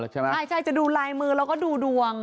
ใช่จะดูลายมือแล้วก็ดูดวง